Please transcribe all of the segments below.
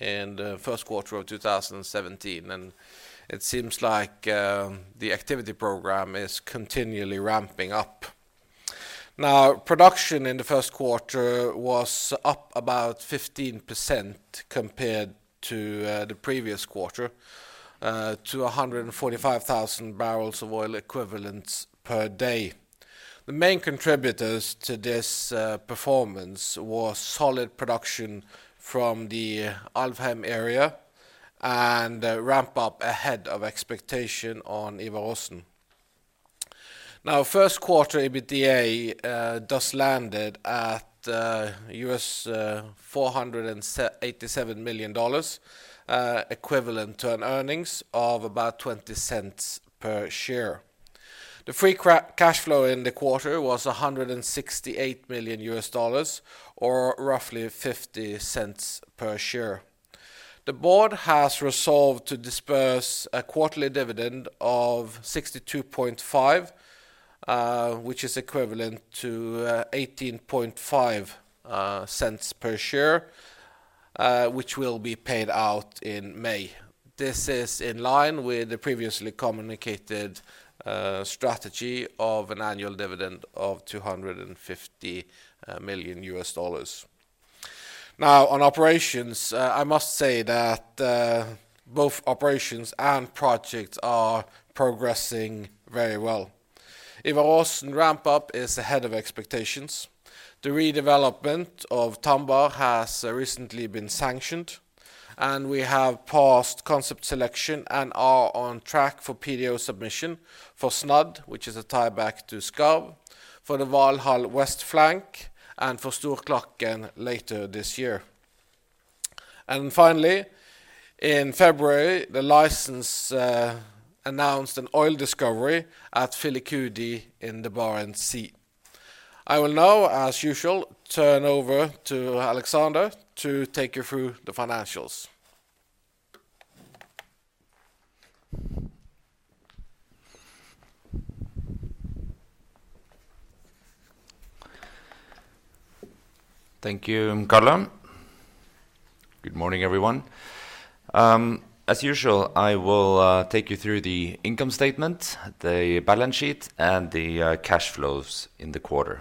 In the first quarter of 2017, it seems like the activity program is continually ramping up. Now, production in the first quarter was up about 15% compared to the previous quarter to 145,000 barrels of oil equivalents per day. The main contributors to this performance was solid production from the Alvheim area and ramp-up ahead of expectation on Ivar Aasen. Now, first quarter EBITDA landed at US $487 million, equivalent to an earnings of about $0.20 per share. The free cash flow in the quarter was $168 million or roughly $0.50 per share. The board has resolved to disperse a quarterly dividend of 62.5, which is equivalent to 0.185 per share, which will be paid out in May. This is in line with the previously communicated strategy of an annual dividend of $250 million. Now, on operations, I must say that both operations and projects are progressing very well. Ivar Aasen ramp-up is ahead of expectations. The redevelopment of Tambar has recently been sanctioned, we have passed concept selection and are on track for PDO submission for Snadd, which is a tie-back to Skarv, for the Valhall Flank West, and for Storklakken later this year. Finally, in February, the license announced an oil discovery at Filicudi in the Barents Sea. I will now, as usual, turn over to Alexander to take you through the financials. Thank you, Karl. Good morning, everyone. As usual, I will take you through the income statement, the balance sheet, and the cash flows in the quarter.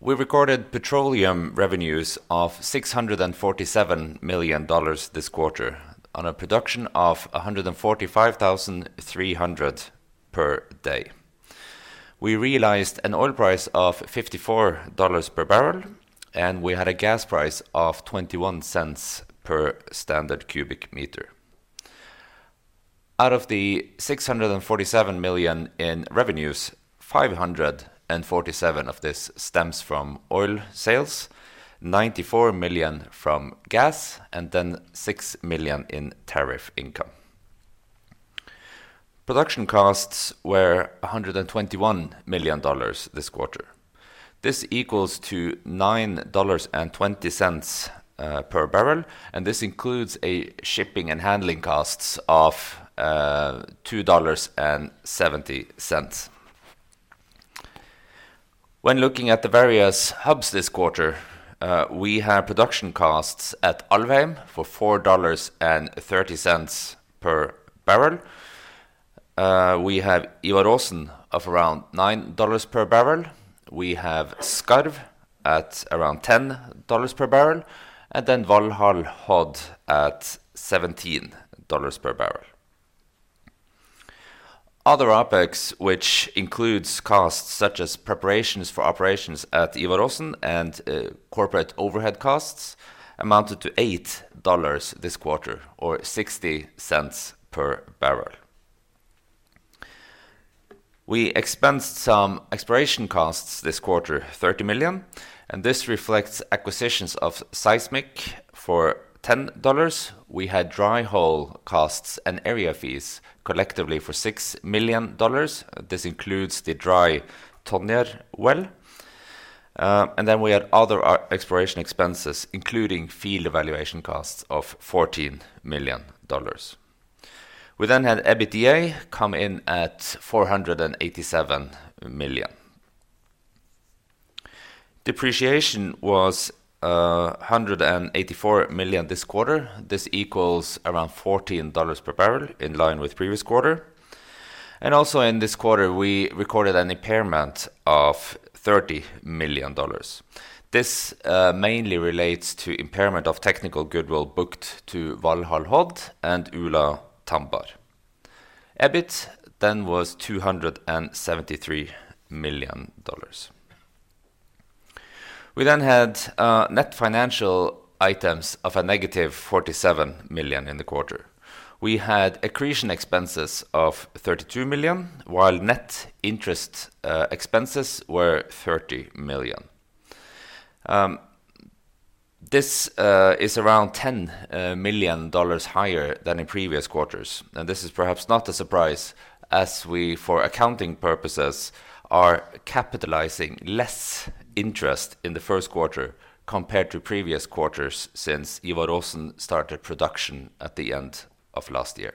We recorded petroleum revenues of NOK 647 million this quarter on a production of 145,300 per day. We realized an oil price of $54 per barrel, we had a gas price of 0.21 per standard cubic meter. Out of the 647 million in revenues, 547 of this stems from oil sales, 94 million from gas, six million in tariff income. Production costs were NOK 121 million this quarter. This equals to $9.20 per barrel, and this includes a shipping and handling costs of $2.70. When looking at the various hubs this quarter, we have production costs at Alvheim for NOK 4.30 per barrel. We have Ivar Aasen of around NOK 9 per barrel. We have Skarv at around NOK 10 per barrel, Valhall/Hod at NOK 17 per barrel. Other OPEX, which includes costs such as preparations for operations at Ivar Aasen and corporate overhead costs, amounted to NOK 8 this quarter or 0.60 per barrel. We expensed some exploration costs this quarter, 30 million, this reflects acquisitions of seismic for NOK 10. We had dry hole costs and area fees collectively for NOK 6 million. This includes the dry Tonje well. We had other exploration expenses, including field evaluation costs of NOK 14 million. We had EBITDA come in at 487 million. Depreciation was 184 million this quarter. This equals around NOK 14 per barrel in line with previous quarter. Also in this quarter, we recorded an impairment of NOK 30 million. This mainly relates to impairment of technical goodwill booked to Valhall/Hod and Ula-Tambar. EBIT was NOK 273 million. We had net financial items of a negative 47 million in the quarter. We had accretion expenses of 32 million, while net interest expenses were 30 million. This is around NOK 10 million higher than in previous quarters. This is perhaps not a surprise as we, for accounting purposes, are capitalizing less interest in the first quarter compared to previous quarters since Ivar Aasen started production at the end of last year.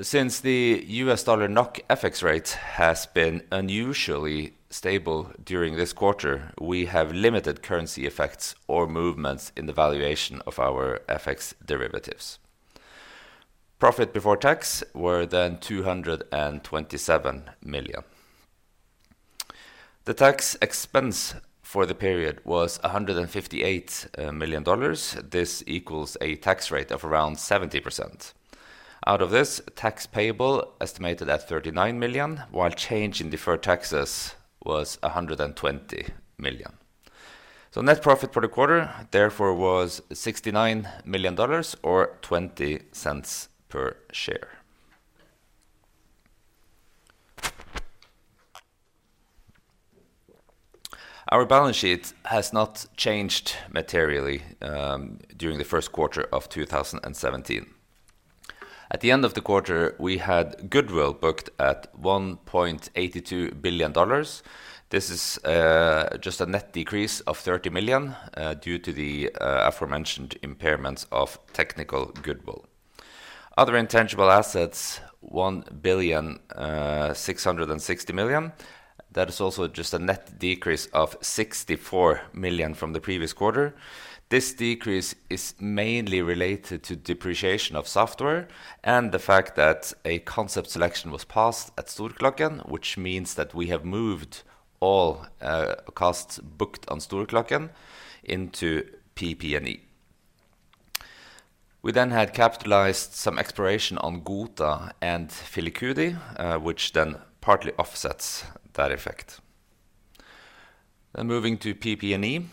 Since the U.S. dollar NOK FX rate has been unusually stable during this quarter, we have limited currency effects or movements in the valuation of our FX derivatives. Profit before tax was 227 million. The tax expense for the period was NOK 158 million. This equals a tax rate of around 70%. Out of this, tax payable estimated at 39 million, while change in deferred taxes was 120 million. Net profit for the quarter therefore was NOK 69 million or 0.20 per share. Our balance sheet has not changed materially during the first quarter of 2017. At the end of the quarter, we had goodwill booked at NOK 1.82 billion. This is just a net decrease of 30 million due to the aforementioned impairments of technical goodwill. Other intangible assets, 1.66 billion. This is also just a net decrease of 64 million from the previous quarter. This decrease is mainly related to depreciation of software and the fact that a concept selection was passed at Storhøggen, which means that we have moved all costs booked on Storhøggen into PP&E. We had capitalized some exploration on Gohta and Filicudi, which partly offsets that effect. Moving to PP&E,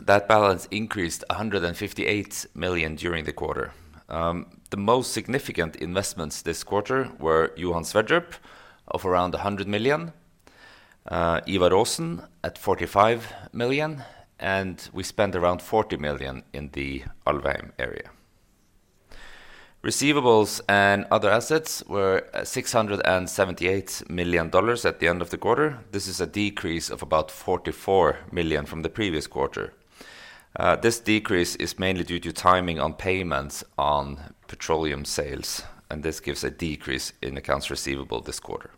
that balance increased 158 million during the quarter. The most significant investments this quarter were Johan Sverdrup of around 100 million, Ivar Aasen at 45 million, and we spent around 40 million in the Alvheim area. Receivables and other assets were NOK 678 million at the end of the quarter. This is a decrease of about 44 million from the previous quarter. This decrease is mainly due to timing on payments on petroleum sales, and this gives a decrease in accounts receivable this quarter.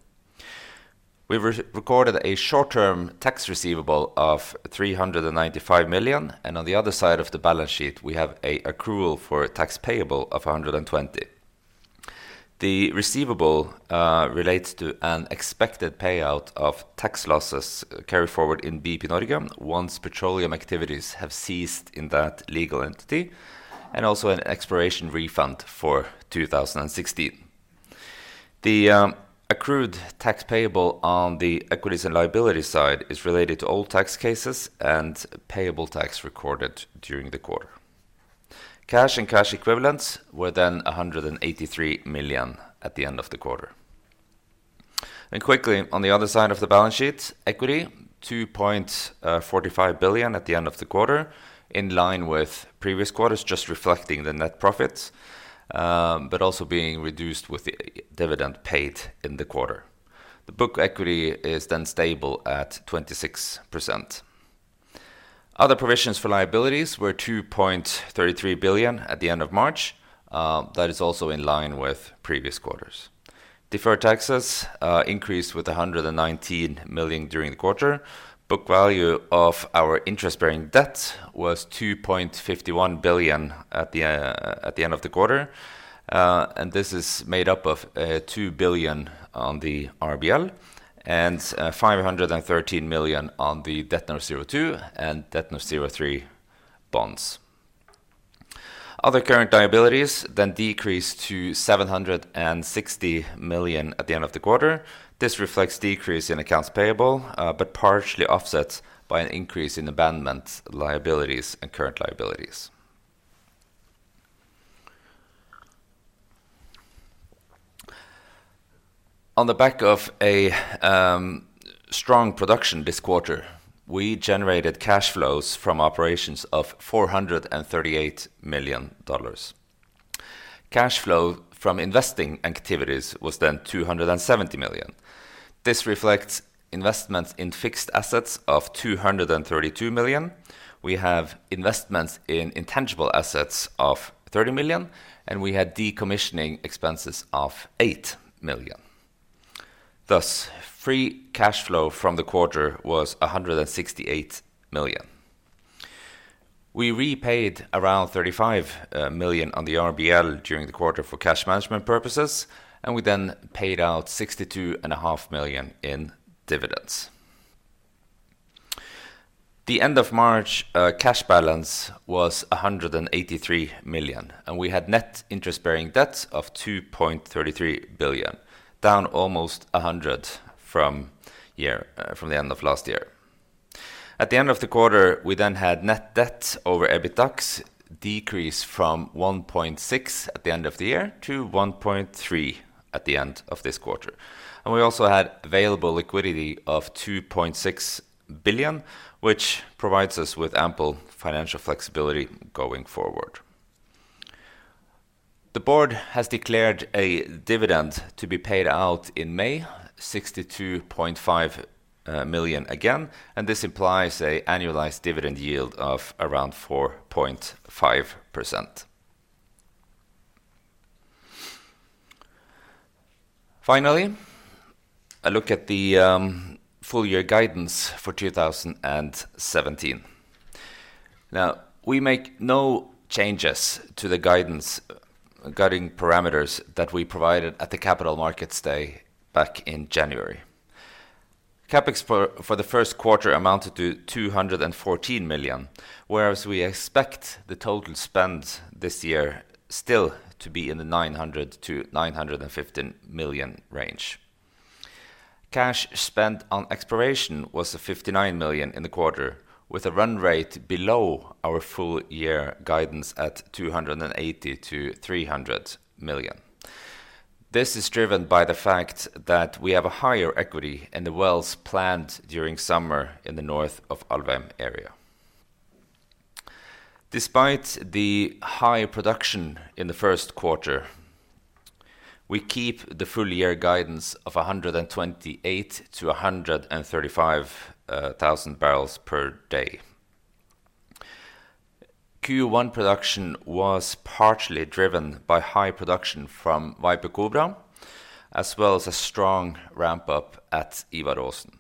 We recorded a short-term tax receivable of 395 million. On the other side of the balance sheet, we have an accrual for tax payable of 120 million. The receivable relates to an expected payout of tax losses carried forward in BP Norge once petroleum activities have ceased in that legal entity and also an exploration refund for 2016. The accrued tax payable on the equities and liability side is related to all tax cases and payable tax recorded during the quarter. Cash and cash equivalents were 183 million at the end of the quarter. Quickly on the other side of the balance sheet, equity 2.45 billion at the end of the quarter, in line with previous quarters, just reflecting the net profits, but also being reduced with the dividend paid in the quarter. The book equity is stable at 26%. Other provisions for liabilities were 2.33 billion at the end of March. This is also in line with previous quarters. Deferred taxes increased with 119 million during the quarter. Book value of our interest-bearing debt was 2.51 billion at the end of the quarter. This is made up of $2 billion on the RBL and $513 million on the DETNOR02 and DETNOR03 bonds. Other current liabilities decreased to $760 million at the end of the quarter. This reflects decrease in accounts payable, but partially offset by an increase in abandonment liabilities and current liabilities. On the back of a strong production this quarter, we generated cash flows from operations of $438 million. Cash flow from investing activities was $270 million. This reflects investments in fixed assets of $232 million. We have investments in intangible assets of $30 million, and we had decommissioning expenses of $8 million. Thus, free cash flow from the quarter was $168 million. We repaid around $35 million on the RBL during the quarter for cash management purposes, and we paid out $62.5 million in dividends. The end of March cash balance was $183 million, and we had net interest-bearing debt of $2.33 billion, down almost $100 million from the end of last year. At the end of the quarter, we had net debt over EBITDAX decrease from 1.6x at the end of the year to 1.3x at the end of this quarter. We also had available liquidity of $2.6 billion, which provides us with ample financial flexibility going forward. The board has declared a dividend to be paid out in May, $62.5 million again, and this implies an annualized dividend yield of around 4.5%. Finally, a look at the full-year guidance for 2017. We make no changes to the guiding parameters that we provided at the Capital Markets Day back in January. CapEx for the first quarter amounted to 214 million, whereas we expect the total spend this year still to be in the 900 million-915 million range. Cash spent on exploration was at 59 million in the quarter, with a run rate below our full-year guidance at 280 million-300 million. This is driven by the fact that we have a higher equity in the wells planned during summer in the NOAKA area. Despite the high production in the first quarter, we keep the full-year guidance of 128,000-135,000 barrels per day. Q1 production was partially driven by high production from Viper-Kobra, as well as a strong ramp-up at Ivar Aasen.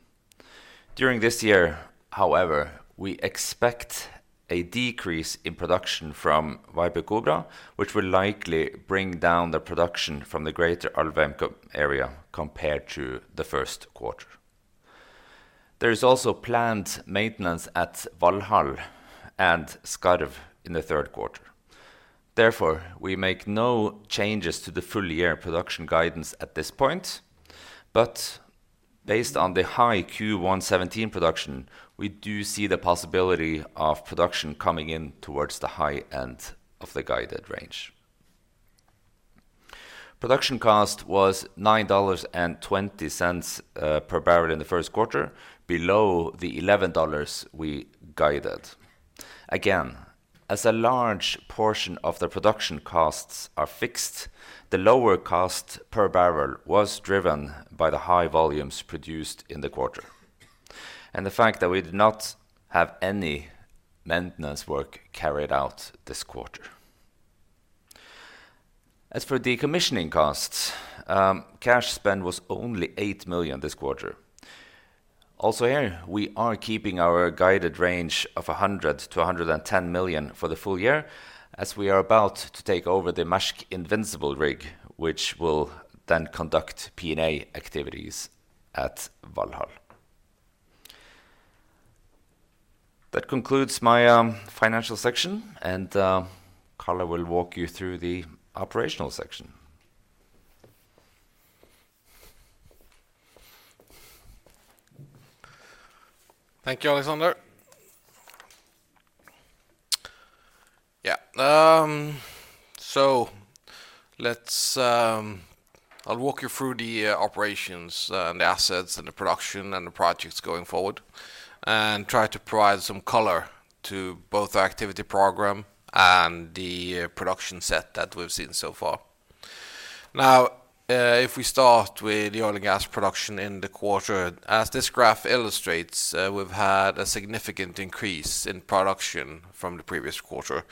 During this year, however, we expect a decrease in production from Viper-Kobra, which will likely bring down the production from the greater Alvheim area compared to the first quarter. There is also planned maintenance at Valhall and Skarv in the third quarter. Therefore, we make no changes to the full-year production guidance at this point. Based on the high Q1 2017 production, we do see the possibility of production coming in towards the high end of the guided range. Production cost was $9.20 per barrel in the first quarter, below the $11 we guided. As a large portion of the production costs are fixed, the lower cost per barrel was driven by the high volumes produced in the quarter and the fact that we did not have any maintenance work carried out this quarter. As for decommissioning costs, cash spend was only 8 million this quarter. Also here, we are keeping our guided range of 100 million-110 million for the full year as we are about to take over the Maersk Invincible rig, which will then conduct P&A activities at Valhall. That concludes my financial section, and Karl will walk you through the operational section. Thank you, Alexander. I'll walk you through the operations and the assets and the production and the projects going forward and try to provide some color to both the activity program and the production set that we've seen so far. If we start with the oil and gas production in the quarter, as this graph illustrates, we've had a significant increase in production from the previous quarter,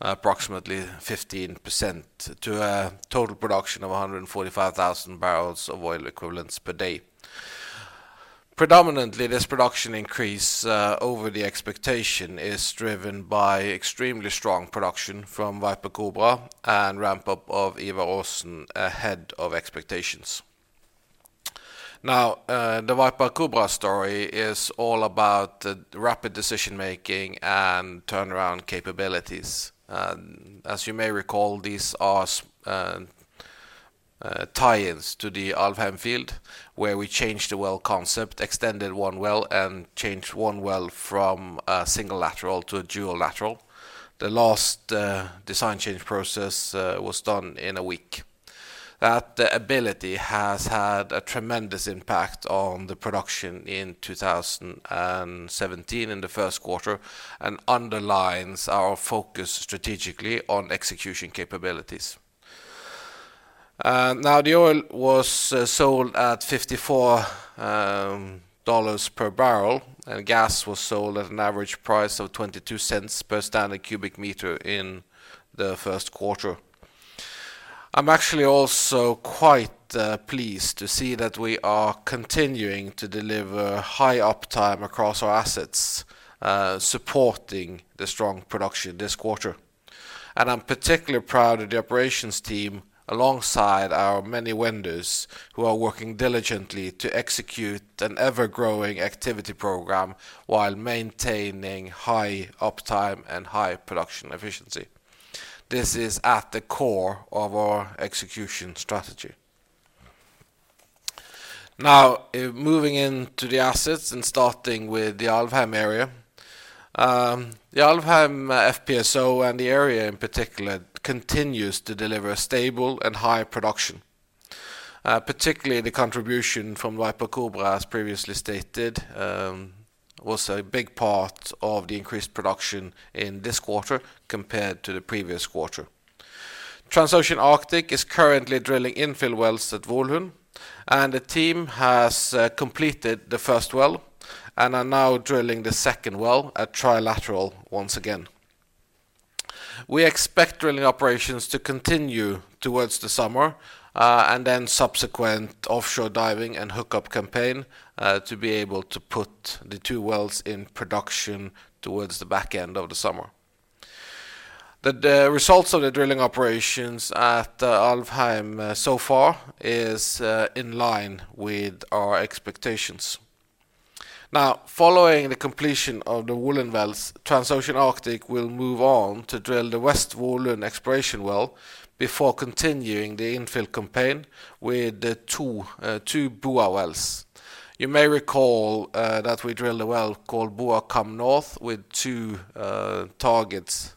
approximately 15%, to a total production of 145,000 barrels of oil equivalents per day. Predominantly, this production increase over the expectation is driven by extremely strong production from Viper-Kobra and ramp-up of Ivar Aasen ahead of expectations. The Viper-Kobra story is all about rapid decision-making and turnaround capabilities. As you may recall, these are tie-ins to the Alvheim field where we changed the well concept, extended one well, and changed one well from a single lateral to a dual lateral. The last design change process was done in a week. That ability has had a tremendous impact on the production in 2017 in the first quarter and underlines our focus strategically on execution capabilities. The oil was sold at $54 per barrel, and gas was sold at an average price of $0.22 per standard cubic meter in the first quarter. I'm actually also quite pleased to see that we are continuing to deliver high uptime across our assets, supporting the strong production this quarter. I'm particularly proud of the operations team alongside our many vendors who are working diligently to execute an ever-growing activity program while maintaining high uptime and high production efficiency. This is at the core of our execution strategy. Moving into the assets and starting with the Alvheim area. The Alvheim FPSO and the area, in particular, continues to deliver stable and high production, particularly the contribution from Viper-Kobra, as previously stated. Was a big part of the increased production in this quarter compared to the previous quarter. Transocean Arctic is currently drilling infill wells at Valhall, and the team has completed the first well and are now drilling the second well at trilateral once again. We expect drilling operations to continue towards the summer, and then subsequent offshore diving and hookup campaign to be able to put the two wells in production towards the back end of the summer. The results of the drilling operations at Alvheim so far is in line with our expectations. Following the completion of the Valhall wells, Transocean Arctic will move on to drill the West Valhall exploration well before continuing the infill campaign with the two Boa wells. You may recall that we drilled a well called Boa Come North with two targets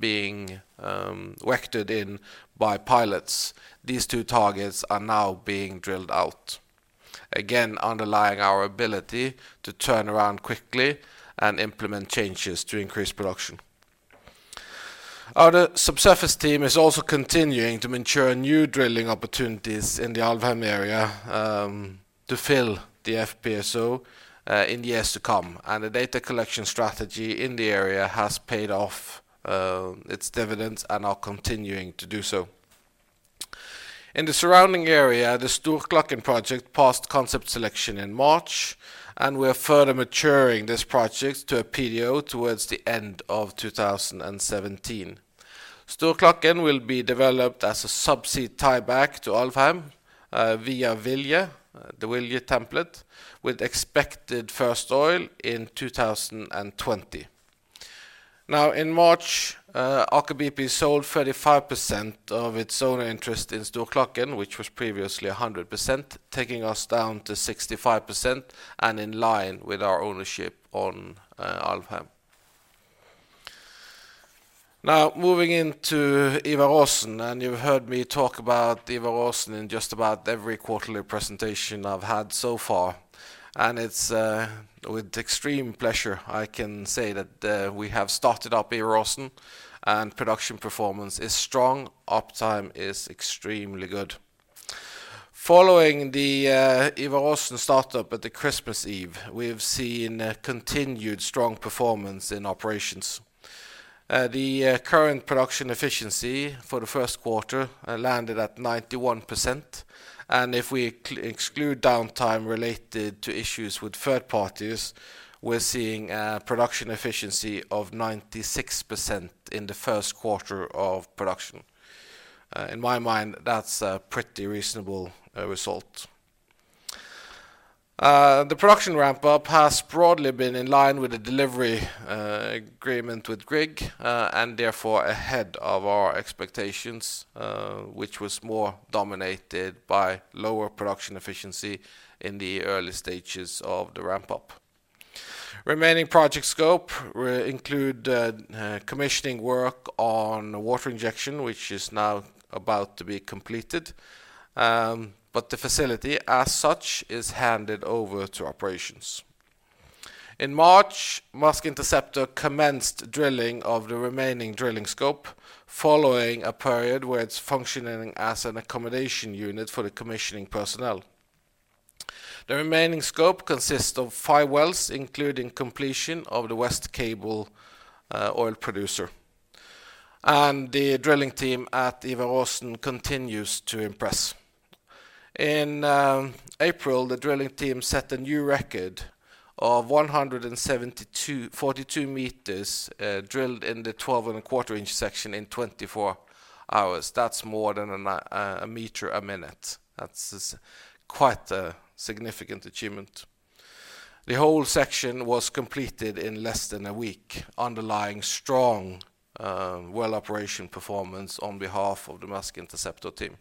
being vectored in by pilots. These two targets are now being drilled out, again, underlying our ability to turn around quickly and implement changes to increase production. Our subsurface team is also continuing to mature new drilling opportunities in the Alvheim area to fill the FPSO in the years to come, and the data collection strategy in the area has paid off its dividends and are continuing to do so. In the surrounding area, the Storhalken project passed concept selection in March, and we are further maturing this project to a PDO towards the end of 2017. Storhalken will be developed as a subsea tieback to Alvheim via the Vilje template with expected first oil in 2020. In March, Aker BP sold 35% of its own interest in Storhalken, which was previously 100%, taking us down to 65% and in line with our ownership on Alvheim. Moving into Ivar Aasen, you've heard me talk about Ivar Aasen in just about every quarterly presentation I've had so far. It's with extreme pleasure, I can say that we have started up Ivar Aasen and production performance is strong. Uptime is extremely good. Following the Ivar Aasen startup at Christmas Eve, we have seen continued strong performance in operations. The current production efficiency for the first quarter landed at 91%, and if we exclude downtime related to issues with third parties, we're seeing a production efficiency of 96% in the first quarter of production. In my mind, that's a pretty reasonable result. The production ramp-up has broadly been in line with the delivery agreement with Edvard Grieg, and therefore ahead of our expectations, which was more dominated by lower production efficiency in the early stages of the ramp-up. Remaining project scope will include commissioning work on water injection, which is now about to be completed, but the facility as such is handed over to operations. In March, Maersk Interceptor commenced drilling of the remaining drilling scope following a period where it's functioning as an accommodation unit for the commissioning personnel. The remaining scope consists of five wells, including completion of the West Cable oil producer. The drilling team at Ivar Aasen continues to impress. In April, the drilling team set a new record of 17,242 meters drilled in the 12 and a quarter-inch section in 24 hours. That's more than a meter a minute. That's quite a significant achievement. The whole section was completed in less than a week, underlying strong well operation performance on behalf of the Maersk Interceptor team.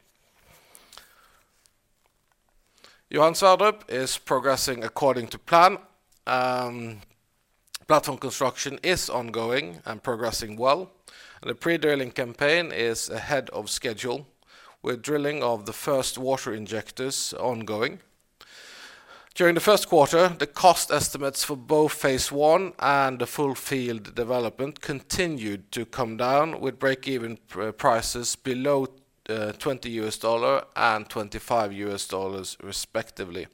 Johan Sverdrup is progressing according to plan. Platform construction is ongoing and progressing well. The pre-drilling campaign is ahead of schedule with drilling of the first water injectors ongoing. During the first quarter, the cost estimates for both phase I and the full field development continued to come down with break-even prices below $20 and $25 respectively.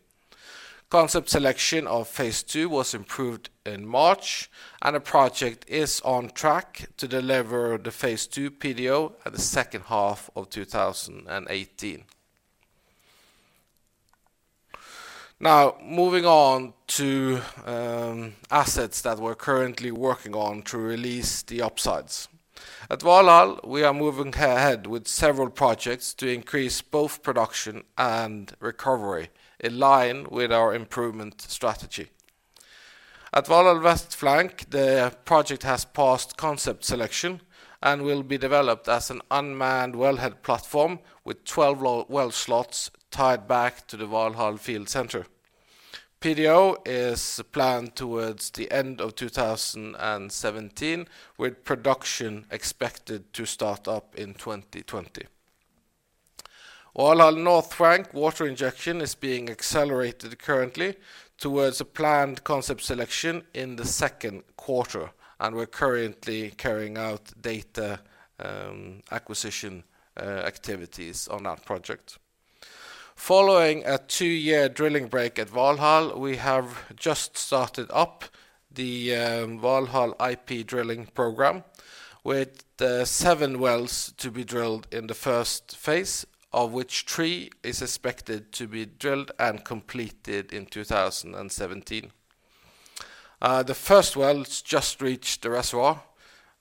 Concept selection of phase II was improved in March, and the project is on track to deliver the phase II PDO at the second half of 2018. Moving on to assets that we're currently working on to release the upsides. At Valhall, we are moving ahead with several projects to increase both production and recovery in line with our improvement strategy. At Valhall Flank West, the project has passed concept selection and will be developed as an unmanned wellhead platform with 12 well slots tied back to the Valhall field center. PDO is planned towards the end of 2017, with production expected to start up in 2020. Valhall North flank water injection is being accelerated currently towards a planned concept selection in the second quarter, and we're currently carrying out data acquisition activities on that project. Following a two-year drilling break at Valhall, we have just started up the Valhall IP drilling program with seven wells to be drilled in the first phase, of which three is expected to be drilled and completed in 2017. The first well has just reached the reservoir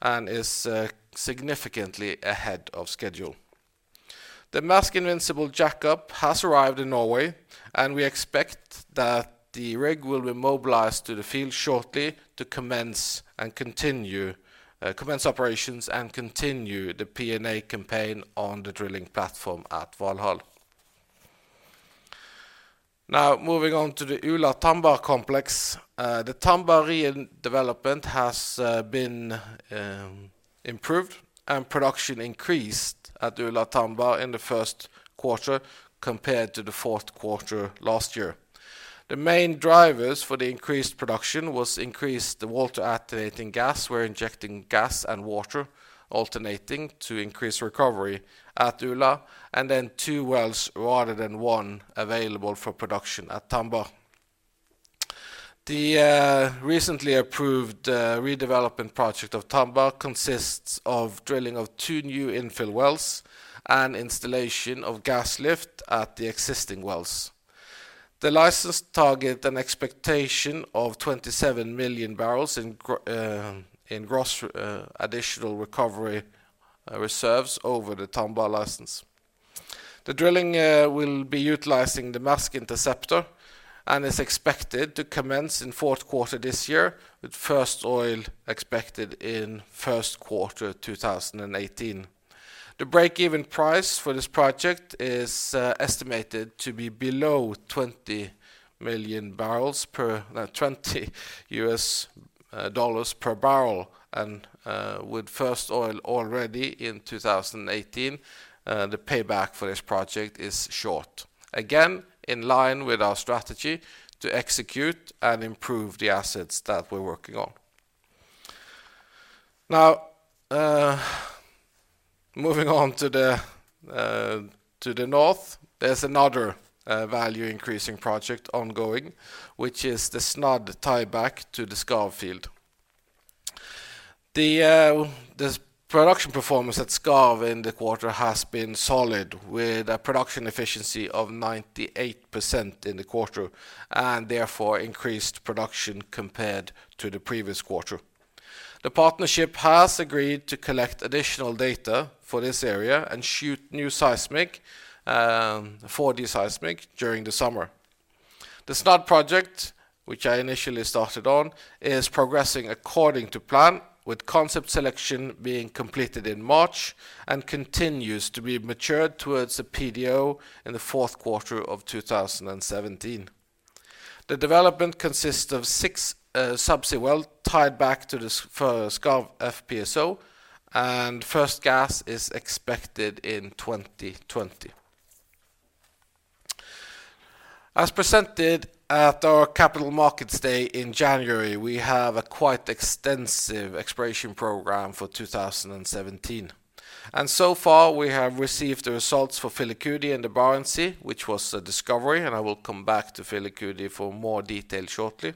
and is significantly ahead of schedule. The Maersk Invincible jackup has arrived in Norway, and we expect that the rig will be mobilized to the field shortly to commence operations and continue the P&A campaign on the drilling platform at Valhall. Now, moving on to the Ula-Tambar complex. The Tambar redevelopment has been improved and production increased at Ula-Tambar in the first quarter compared to the fourth quarter last year. The main drivers for the increased production was increased water alternating gas. We're injecting gas and water alternating to increase recovery at Ula, and then two wells rather than one available for production at Tambar. The recently approved redevelopment project of Tambar consists of drilling of two new infill wells and installation of gas lift at the existing wells. The license target an expectation of 27 million barrels in gross additional recovery reserves over the Tambar license. The drilling will be utilizing the Maersk Interceptor and is expected to commence in fourth quarter this year, with first oil expected in first quarter 2018. The break-even price for this project is estimated to be below $20 per barrel, and with first oil already in 2018, the payback for this project is short. Again, in line with our strategy to execute and improve the assets that we're working on. Now, moving on to the north, there's another value-increasing project ongoing, which is the Snadd tieback to the Skarv field. The production performance at Skarv in the quarter has been solid with a production efficiency of 98% in the quarter, and therefore increased production compared to the previous quarter. The partnership has agreed to collect additional data for this area and shoot new 4D seismic during the summer. The Snadd project, which I initially started on, is progressing according to plan, with concept selection being completed in March and continues to be matured towards the PDO in the fourth quarter of 2017. The development consists of six subsea wells tied back to the Skarv FPSO and first gas is expected in 2020. As presented at our Capital Markets Day in January, we have a quite extensive exploration program for 2017, and so far, we have received the results for Filicudi in the Barents Sea, which was a discovery, and I will come back to Filicudi for more detail shortly.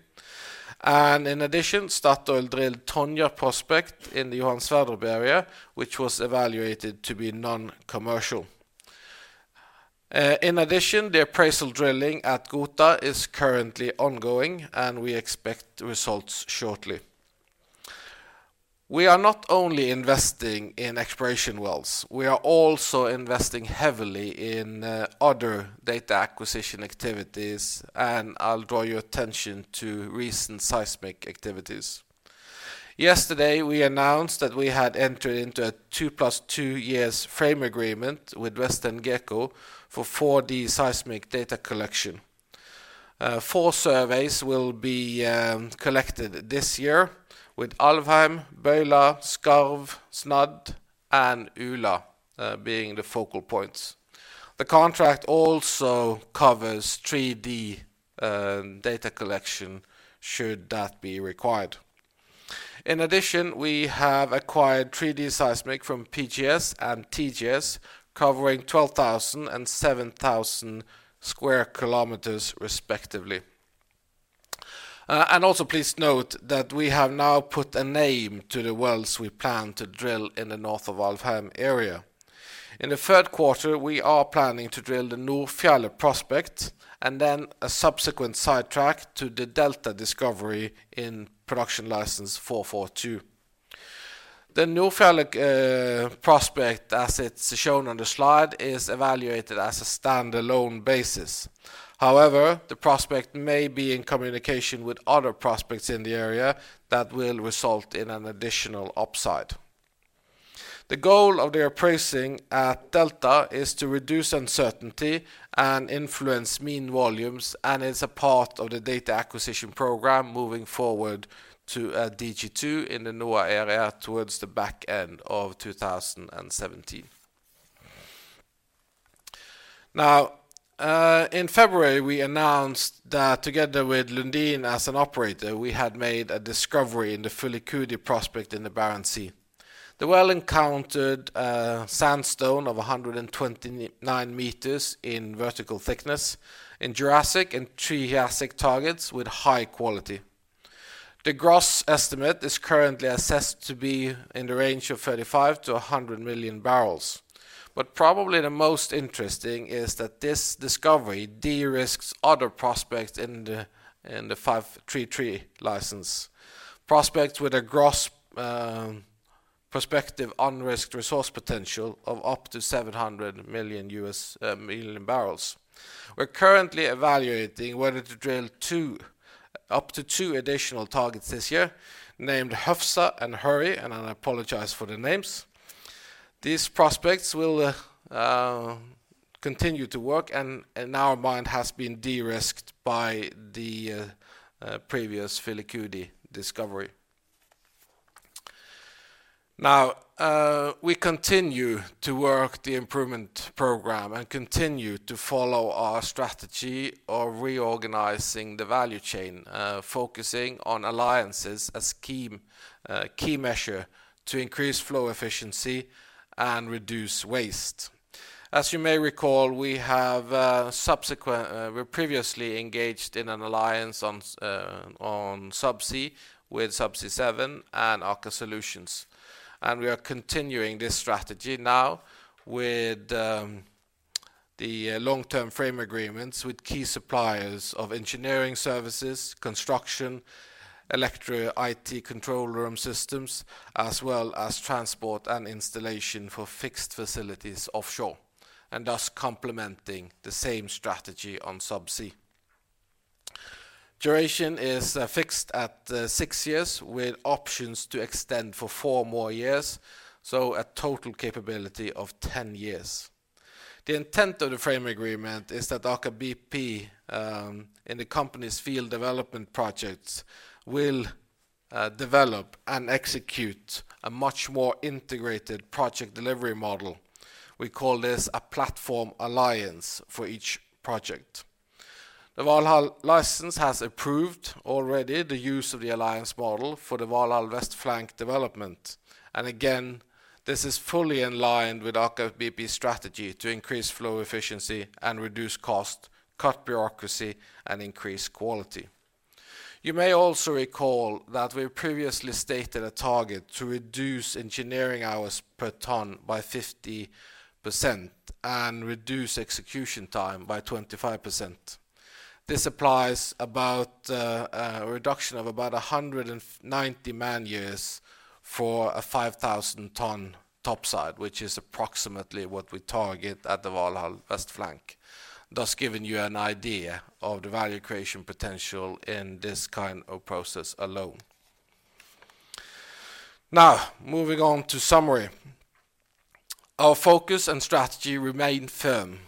In addition, Statoil drilled Tonje prospect in the Johan Sverdrup area, which was evaluated to be non-commercial. In addition, the appraisal drilling at Gohta is currently ongoing, and we expect results shortly. We are not only investing in exploration wells, we are also investing heavily in other data acquisition activities. I'll draw your attention to recent seismic activities. Yesterday, we announced that we had entered into a two plus two years frame agreement with WesternGeco for 4D seismic data collection. Four surveys will be collected this year with Alvheim, Bøyla, Skarv, Snadd, and Ula being the focal points. The contract also covers 3D data collection should that be required. In addition, we have acquired 3D seismic from PGS and TGS covering 12,000 and 7,000 sq km respectively. Also please note that we have now put a name to the wells we plan to drill in the north of Alvheim area. In the third quarter, we are planning to drill the Nordfjellet prospect and then a subsequent sidetrack to the Delta discovery in Production Licence 442. The Nordfjellet prospect, as it's shown on the slide, is evaluated as a standalone basis. However, the prospect may be in communication with other prospects in the area that will result in an additional upside. The goal of the appraising at Delta is to reduce uncertainty and influence mean volumes and is a part of the data acquisition program moving forward to DG2 in the NOA area towards the back end of 2017. In February, we announced that together with Lundin as an operator, we had made a discovery in the Filicudi prospect in the Barents Sea. The well encountered sandstone of 129 meters in vertical thickness in Jurassic and Triassic targets with high quality. The gross estimate is currently assessed to be in the range of 35-100 million barrels. Probably the most interesting is that this discovery de-risks other prospects in the 533 license. Prospects with a gross prospective unrisked resource potential of up to 700 million barrels. We are currently evaluating whether to drill up to two additional targets this year, named Hufsa and Hurri. I apologize for the names. These prospects will continue to work and in our mind have been de-risked by the previous Filicudi discovery. We continue to work the improvement program and continue to follow our strategy of reorganizing the value chain, focusing on alliances as key measure to increase flow efficiency and reduce waste. As you may recall, we previously engaged in an alliance on subsea with Subsea 7 and Aker Solutions. We are continuing this strategy now with the long-term frame agreements with key suppliers of engineering services, construction, [electro IT] control room systems, as well as transport and installation for fixed facilities offshore, and thus complementing the same strategy on subsea. Duration is fixed at six years with options to extend for four more years, so a total capability of 10 years. The intent of the frame agreement is that Aker BP in the company's field development projects will develop and execute a much more integrated project delivery model. We call this a platform alliance for each project. The Valhall license has approved already the use of the alliance model for the Valhall West Flank development. Again, this is fully in line with Aker BP strategy to increase flow efficiency and reduce cost, cut bureaucracy, and increase quality. You may also recall that we previously stated a target to reduce engineering hours per ton by 50% and reduce execution time by 25%. This applies about a reduction of about 190 man-years for a 5,000-ton topside, which is approximately what we target at the Valhall Flank West, thus giving you an idea of the value creation potential in this kind of process alone. Now, moving on to summary. Our focus and strategy remain firm.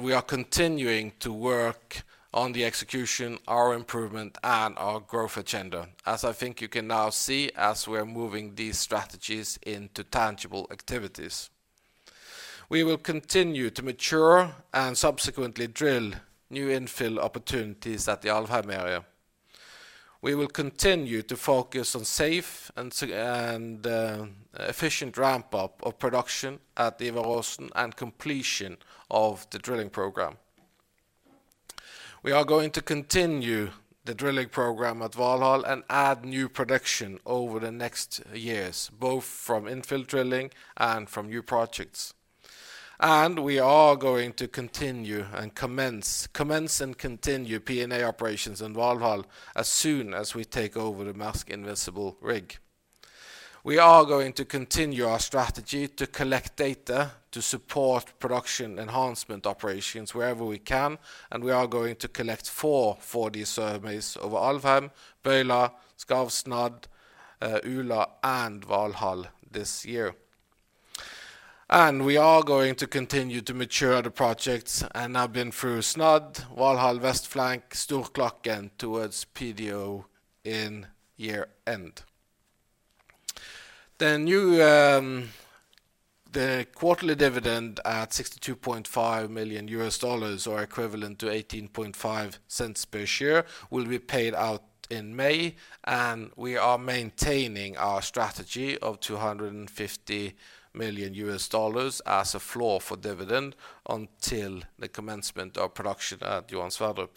We are continuing to work on the execution, our improvement, and our growth agenda, as I think you can now see, as we're moving these strategies into tangible activities. We will continue to mature and subsequently drill new infill opportunities at the Alvheim area. We will continue to focus on safe and efficient ramp-up of production at Ivar Aasen and completion of the drilling program. We are going to continue the drilling program at Valhall and add new production over the next years, both from infill drilling and from new projects. We are going to commence and continue P&A operations in Valhall as soon as we take over the Maersk Invincible rig. We are going to continue our strategy to collect data to support production enhancement operations wherever we can. We are going to collect four 4D surveys over Alvheim, Bøyla, Skarv and Snadd, Ula, and Valhall this year. We are going to continue to mature the projects and have been through Snadd, Valhall Flank West, Storklakken towards PDO in year-end. The quarterly dividend at $62.5 million or equivalent to $0.185 per share will be paid out in May. We are maintaining our strategy of $250 million as a floor for dividend until the commencement of production at Johan Sverdrup.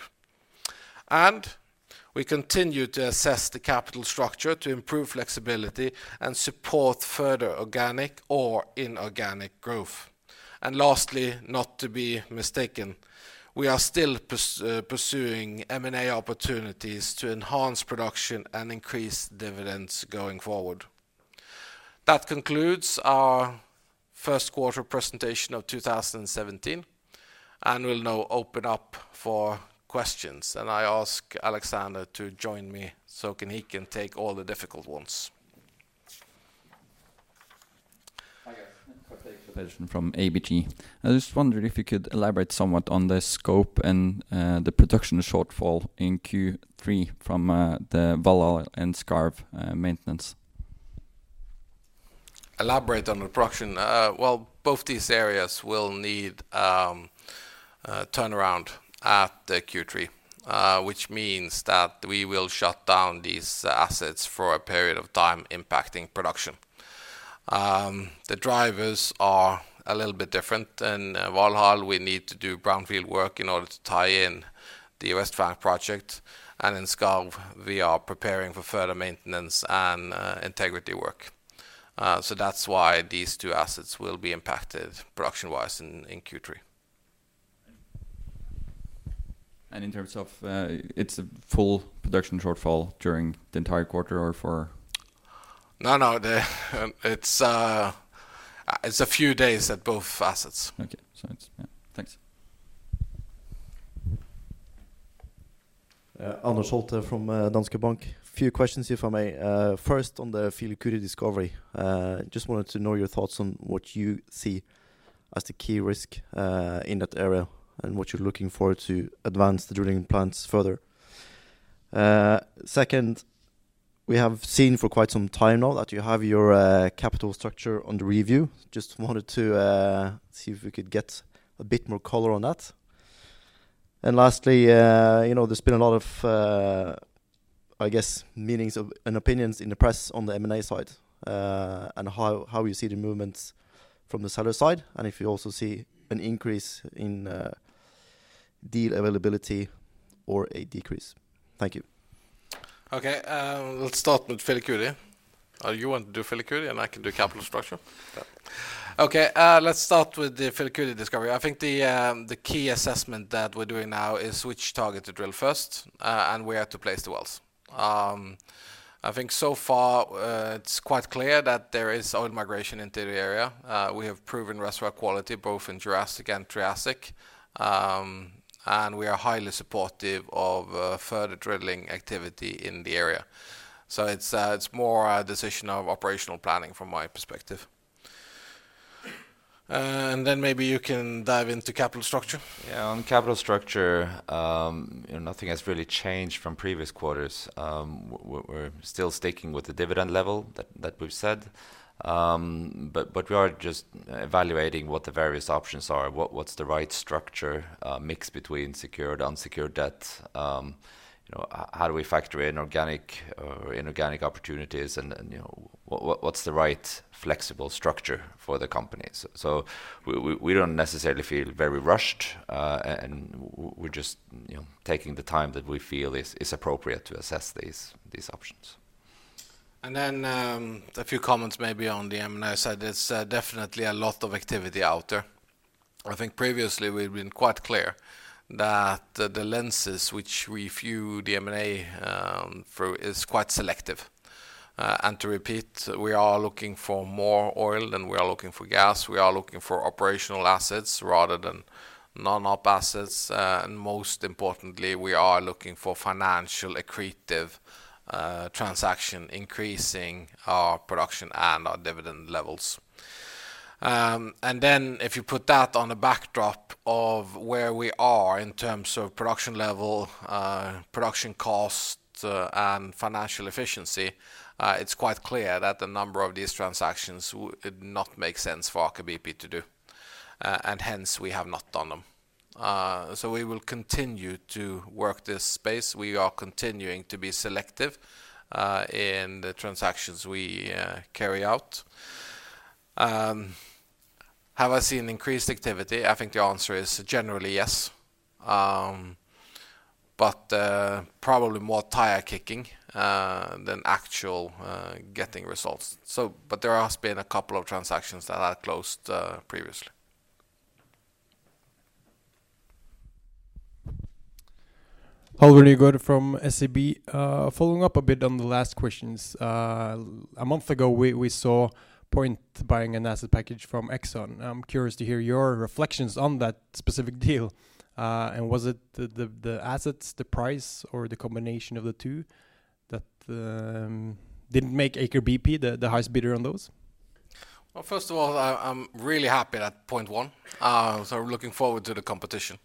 We continue to assess the capital structure to improve flexibility and support further organic or inorganic growth. Lastly, not to be mistaken, we are still pursuing M&A opportunities to enhance production and increase dividends going forward. That concludes our first quarter presentation of 2017. We'll now open up for questions. I ask Alexander to join me so he can take all the difficult ones. Hi guys from ABG. I was just wondering if you could elaborate somewhat on the scope and the production shortfall in Q3 from the Valhall and Skarv maintenance. Elaborate on the production. Well, both these areas will need turnaround at Q3 which means that we will shut down these assets for a period of time, impacting production. The drivers are a little bit different. In Valhall, we need to do brownfield work in order to tie in the West Flank project, and in Skarv, we are preparing for further maintenance and integrity work. That's why these two assets will be impacted production-wise in Q3. In terms of, it's a full production shortfall during the entire quarter or for No. It's a few days at both assets. Okay. Yeah. Thanks. Anders Holte from Danske Bank. Few questions, if I may. First, on the Filicudi discovery. Just wanted to know your thoughts on what you see as the key risk in that area and what you're looking for to advance the drilling plans further. Second, we have seen for quite some time now that you have your capital structure under review. Just wanted to see if we could get a bit more color on that. Lastly, there's been a lot of, I guess, meetings of, and opinions in the press on the M&A side. How you see the movements from the seller side, and if you also see an increase in deal availability or a decrease. Thank you. Okay. Let's start with Filicudi. You want to do Filicudi, and I can do capital structure? Yeah. Okay. Let's start with the Filicudi discovery. I think the key assessment that we're doing now is which target to drill first, and where to place the wells. I think so far it's quite clear that there is oil migration into the area. We have proven reservoir quality both in Jurassic and Triassic. We are highly supportive of further drilling activity in the area. It's more a decision of operational planning from my perspective. Then maybe you can dive into capital structure. Yeah. On capital structure, nothing has really changed from previous quarters. We're still sticking with the dividend level that we've said. We are just evaluating what the various options are, what's the right structure, mix between secured, unsecured debt. How do we factor in organic or inorganic opportunities and what's the right flexible structure for the company? We don't necessarily feel very rushed, and we're just taking the time that we feel is appropriate to assess these options. A few comments maybe on the M&A side. There is definitely a lot of activity out there. I think previously we have been quite clear that the lenses which we view the M&A through is quite selective. To repeat, we are looking for more oil than we are looking for gas. We are looking for operational assets rather than non-op assets. Most importantly, we are looking for financial accretive transaction, increasing our production and our dividend levels. If you put that on a backdrop of where we are in terms of production level, production cost, and financial efficiency, it is quite clear that the number of these transactions would not make sense for Aker BP to do. Hence we have not done them. We will continue to work this space. We are continuing to be selective in the transactions we carry out. Have I seen increased activity? I think the answer is generally yes. Probably more tire kicking than actual getting results. There has been a couple of transactions that I closed previously. Halvor Nygaard from SEB. Following up a bit on the last questions. A month ago, we saw Point buying an asset package from Exxon. I am curious to hear your reflections on that specific deal. Was it the assets, the price, or the combination of the two that didn't make Aker BP the highest bidder on those? Well, first of all, I am really happy that Point won. I am looking forward to the competition.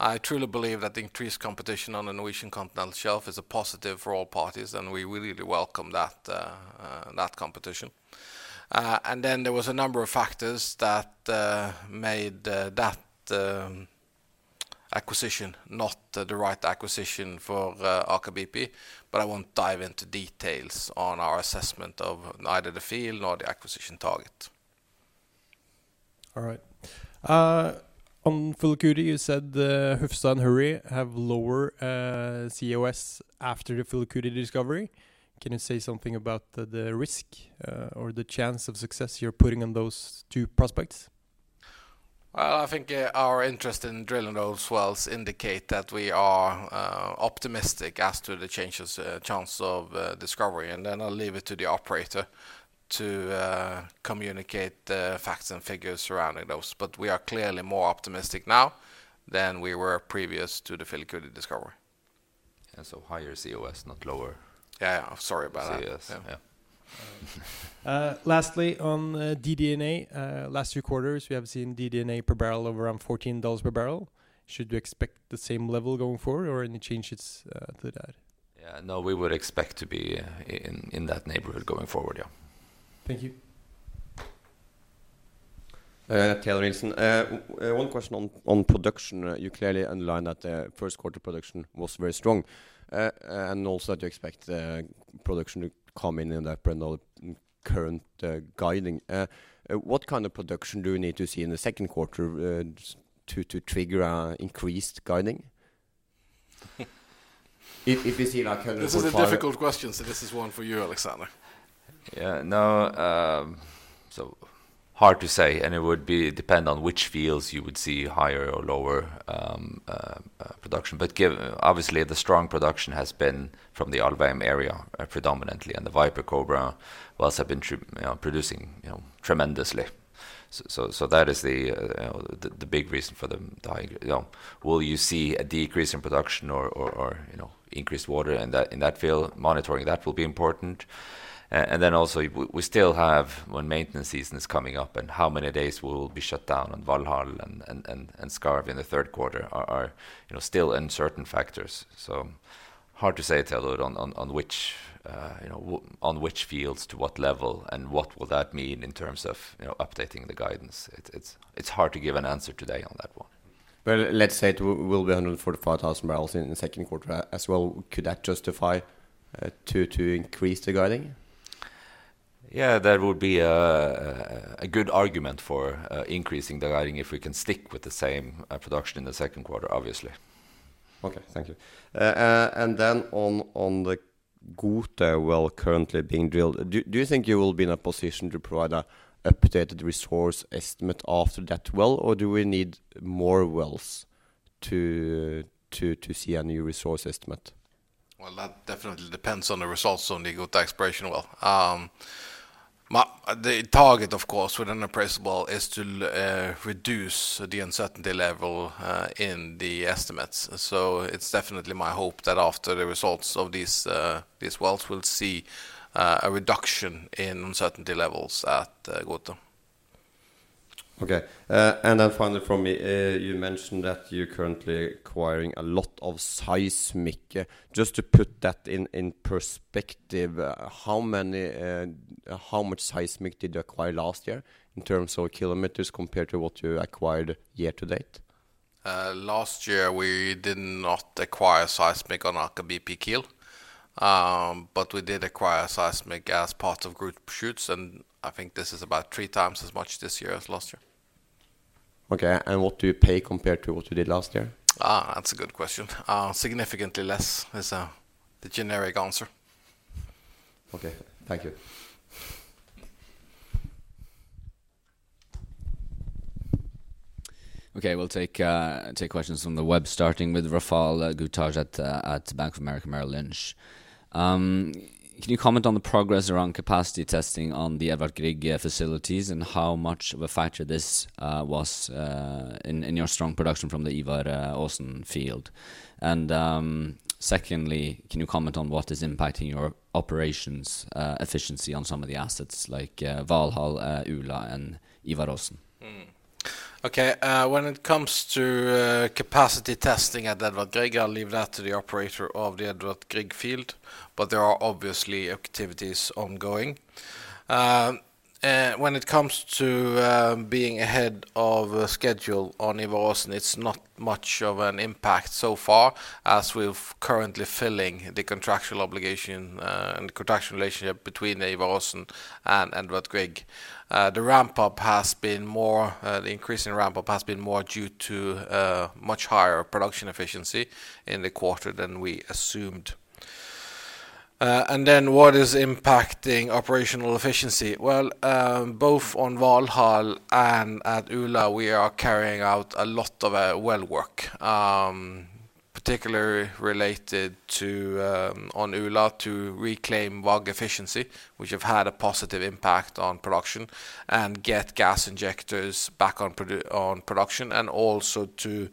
I truly believe that the increased competition on the Norwegian Continental Shelf is a positive for all parties, and we really welcome that competition. There was a number of factors that made that acquisition not the right acquisition for Aker BP, but I will not dive into details on our assessment of neither the field nor the acquisition target. All right. On Filicudi you said the Hufsa and Hurri have lower COS after the Filicudi discovery. Can you say something about the risk, or the chance of success you're putting on those two prospects? Well, I think our interest in drilling those wells indicate that we are optimistic as to the chances, chance of discovery, then I'll leave it to the operator to communicate the facts and figures surrounding those. We are clearly more optimistic now than we were previous to the Filicudi discovery. Higher COS, not lower. Yeah. Sorry about that. CoS. Yeah. Lastly, on DD&A. Last few quarters, we have seen DD&A per barrel of around NOK 14 per barrel. Should we expect the same level going forward or any changes to that? Yeah. No, we would expect to be in that neighborhood going forward. Yeah. Thank you. Taylor Wilson. One question on production. You clearly underlined that the first quarter production was very strong, and also that you expect the production to come in in that current guiding. What kind of production do we need to see in the second quarter to trigger increased guiding? This is a difficult question, so this is one for you, Alexander. Yeah. No. Hard to say, and it would depend on which fields you would see higher or lower production. Obviously, the strong production has been from the Alvheim area predominantly, and the Viper-Kobra wells have been producing tremendously. That is the big reason for the high. Will you see a decrease in production or increased water in that field? Monitoring that will be important. Also, we still have when maintenance season is coming up and how many days we will be shut down on Valhall and Skarv in the third quarter are still uncertain factors. Hard to say, Taylor, on which fields to what level and what will that mean in terms of updating the guidance. It's hard to give an answer today on that one. Let's say it will be 145,000 barrels in the second quarter as well. Could that justify to increase the guiding? Yeah, that would be a good argument for increasing the guiding if we can stick with the same production in the second quarter, obviously. Okay. Thank you. Then on the Gohta well currently being drilled, do you think you will be in a position to provide an updated resource estimate after that well, or do we need more wells to see a new resource estimate? Well, that definitely depends on the results on the Gohta exploration well. The target, of course, with an appraisal is to reduce the uncertainty level in the estimates. It's definitely my hope that after the results of these wells, we'll see a reduction in uncertainty levels at Gohta. Okay. Then finally from me, you mentioned that you're currently acquiring a lot of seismic. Just to put that in perspective, how much seismic did you acquire last year in terms of kilometers compared to what you acquired year to date? Last year, we did not acquire seismic on Aker BP [Kiel]. We did acquire seismic as part of group shoots, and I think this is about three times as much this year as last year. Okay. What do you pay compared to what you did last year? That's a good question. Significantly less is the generic answer. Okay. Thank you. Okay. We'll take questions from the web, starting with Rafal Gutaj at Bank of America Merrill Lynch. Can you comment on the progress around capacity testing on the Edvard Grieg facilities and how much of a factor this was in your strong production from the Ivar Aasen field? Secondly, can you comment on what is impacting your operations efficiency on some of the assets like Valhall, Ula, and Ivar Aasen? Okay. When it comes to capacity testing at Edvard Grieg, I'll leave that to the operator of the Edvard Grieg field, but there are obviously activities ongoing. When it comes to being ahead of schedule on Ivar Aasen, it's not much of an impact so far, as we've currently filling the contractual obligation and contractual relationship between Ivar Aasen and Edvard Grieg. The increase in ramp-up has been more due to much higher production efficiency in the quarter than we assumed. What is impacting operational efficiency? Well, both on Valhall and at Ula, we are carrying out a lot of well work, particularly related to on Ula to reclaim WAG efficiency, which have had a positive impact on production and get gas injectors back on production and also to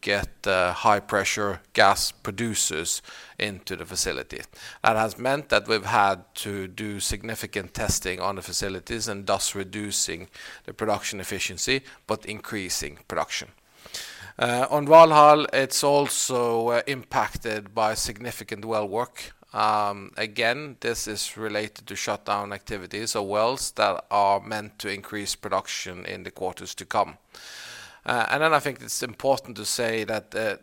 get high-pressure gas producers into the facility. That has meant that we've had to do significant testing on the facilities and thus reducing the production efficiency but increasing production. On Valhall, it's also impacted by significant well work. Again, this is related to shutdown activities or wells that are meant to increase production in the quarters to come. I think it's important to say that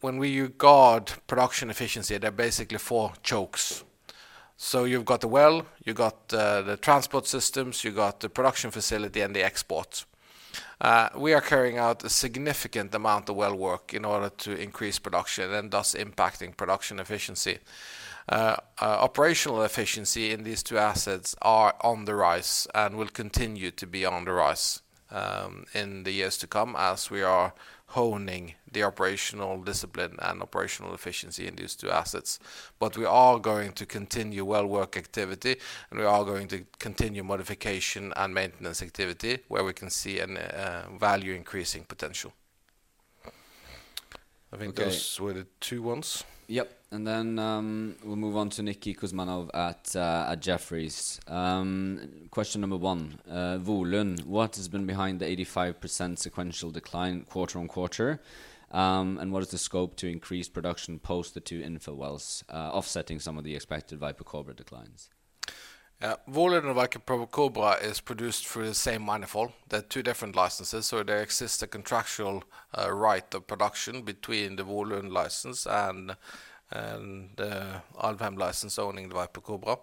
when we guard production efficiency, there are basically four chokes. You've got the well, you got the transport systems, you got the production facility, and the export. We are carrying out a significant amount of well work in order to increase production and thus impacting production efficiency. Operational efficiency in these two assets are on the rise and will continue to be on the rise in the years to come as we are honing the operational discipline and operational efficiency in these two assets. We are going to continue well work activity, and we are going to continue modification and maintenance activity where we can see a value-increasing potential. I think those were the two ones Yep. Then we'll move on to Nikolay Kuzmanov at Jefferies. Question number one, Volund. What has been behind the 85% sequential decline quarter-on-quarter? What is the scope to increase production post the two infill wells offsetting some of the expected Viper-Kobra declines? Volund and Viper-Kobra is produced through the same manifold. They are two different licenses, so there exists a contractual right of production between the Volund license and the Alvheim license owning the Viper-Kobra.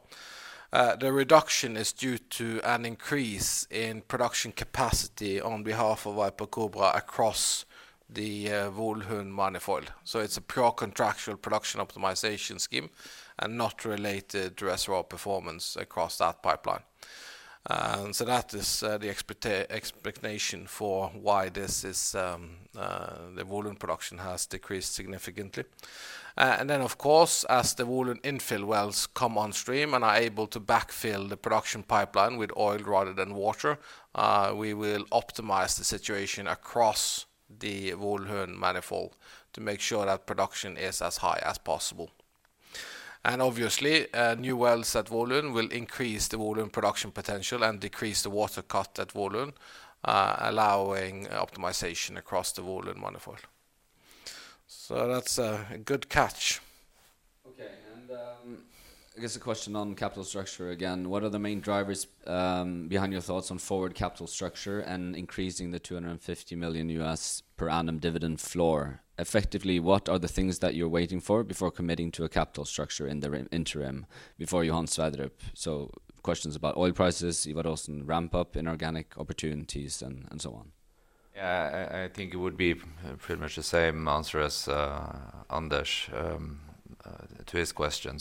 The reduction is due to an increase in production capacity on behalf of Viper-Kobra across the Volund manifold. It's a pure contractual production optimization scheme and not related to reservoir performance across that pipeline. That is the expectation for why the Volund production has decreased significantly. Then, of course, as the Volund infill wells come on stream and are able to backfill the production pipeline with oil rather than water, we will optimize the situation across the Volund manifold to make sure that production is as high as possible. Obviously, new wells at Volund will increase the Volund production potential and decrease the water cut at Volund, allowing optimization across the Volund manifold. That's a good catch. I guess a question on capital structure again, what are the main drivers behind your thoughts on forward capital structure and increasing the $250 million per annum dividend floor? Effectively, what are the things that you're waiting for before committing to a capital structure in the interim before Johan Sverdrup? Questions about oil prices, Ivar Aasen ramp up, inorganic opportunities, and so on. Yeah. I think it would be pretty much the same answer as Anders to his question.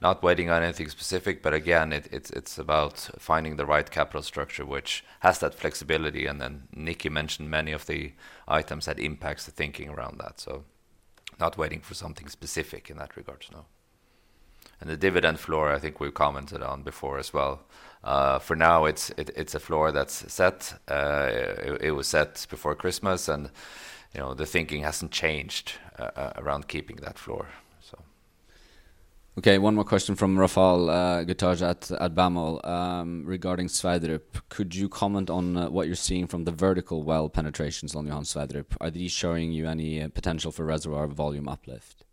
Not waiting on anything specific, but again, it's about finding the right capital structure, which has that flexibility. Then Nikki mentioned many of the items that impacts the thinking around that. Not waiting for something specific in that regard, no. The dividend floor, I think we've commented on before as well. For now, it's a floor that's set. It was set before Christmas and the thinking hasn't changed around keeping that floor. Okay, one more question from Rafal Gutaj at BofAML. Regarding Sverdrup, could you comment on what you're seeing from the vertical well penetrations on Johan Sverdrup? Are these showing you any potential for reservoir volume uplift?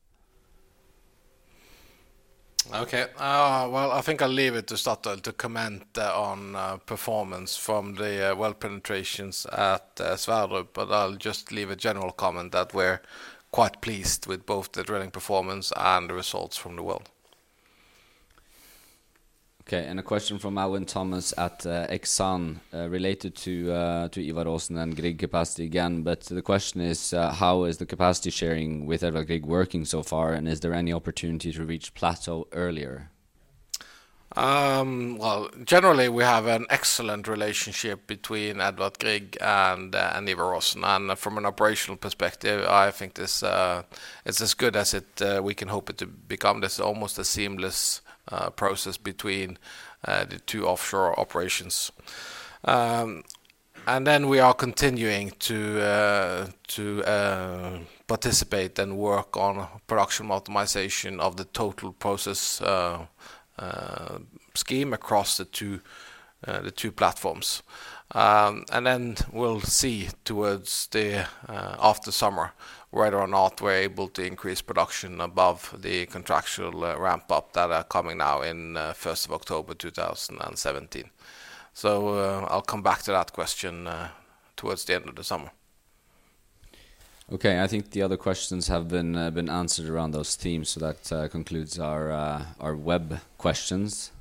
Okay. Well, I think I'll leave it to Statoil to comment on performance from the well penetrations at Sverdrup. I'll just leave a general comment that we're quite pleased with both the drilling performance and the results from the well. A question from Alwyn Thomas at Exane, related to Ivar Aasen and Grieg capacity again. The question is, how is the capacity sharing with Edvard Grieg working so far, and is there any opportunity to reach plateau earlier? Well, generally, we have an excellent relationship between Edvard Grieg and Ivar Aasen. From an operational perspective, I think this is as good as we can hope it to become. There's almost a seamless process between the two offshore operations. We are continuing to participate and work on production optimization of the total process scheme across the two platforms. We'll see towards the after summer whether or not we're able to increase production above the contractual ramp-up that are coming now in 1st of October 2017. I'll come back to that question towards the end of the summer. Okay. I think the other questions have been answered around those themes, that concludes our web questions.